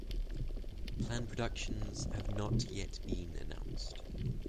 Planned productions have not yet been announced.